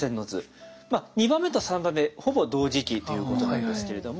２番目と３番目ほぼ同時期ということなんですけれども。